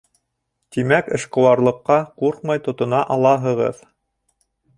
Тимәк, эшҡыуарлыҡҡа ҡурҡмай тотона алаһығыҙ.